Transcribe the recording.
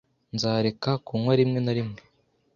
Nzareka kunywa rimwe na rimwe.